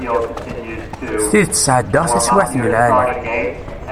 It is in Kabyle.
S tidet sεeddaɣ taswiεt n lεali.